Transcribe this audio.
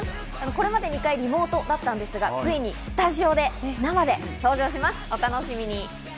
これまで２回、リモートだったんですが、ついにスタジオで生で登場します、お楽しみに。